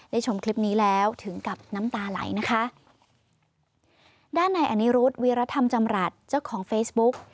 ชมคลิปนี้แล้วถึงกับน้ำตาไหลนะคะด้านในอนิรุธวีรธรรมจำรัฐเจ้าของเฟซบุ๊ก